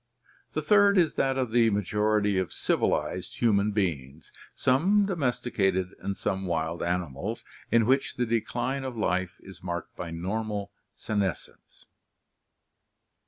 (3) The third is that of the majority of civilized human beings, some domesticated and some wild animals, in which the decline of life is marked by normal setiescence.